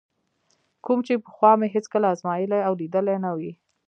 کوم چې پخوا مې هېڅکله ازمایلی او لیدلی نه وي.